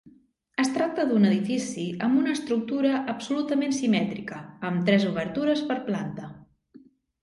Es tracta d'un edifici amb una estructura absolutament simètrica, amb tres obertures per planta.